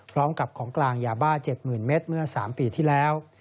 พร้อมกับของกลางยาบ้า๗หมื่นเมตรเมื่อ๓ปีที่แล้ว